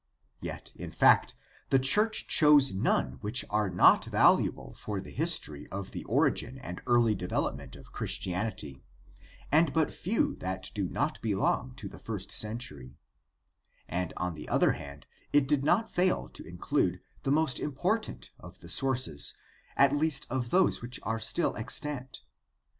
Yet, in fact, the church chose none which are not valuable for the history of the origin and early development of Christianity, and but few that do not belong to the first century; and on the other hand it did not fail to include the most important of the sources, at least of those which are still extant.